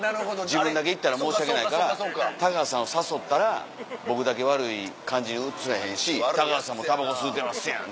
自分だけ行ったら申し訳ないから田川さんを誘ったら僕だけ悪い感じに映らへんし「田川さんもタバコ吸うてますやん」